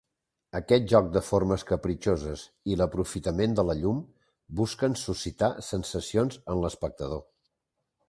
Aquest joc de formes capritxoses i l'aprofitament de la llum busquen suscitar sensacions en l'espectador.